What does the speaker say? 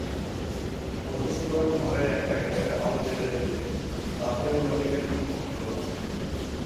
মধুসূদন ঘরে একটা গ্যাসের আলো জ্বেলে দিলে, তাতেও নবীনের ঘুম ভাঙল না।